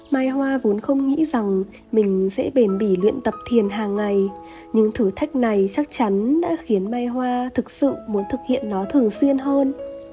mai hoa vốn không nghĩ rằng mình sẽ bền bỉ luyện tập thiền hàng ngày nhưng thử thách này chắc chắn đã khiến mai hoa thực sự muốn thực hiện nó thường xuyên hơn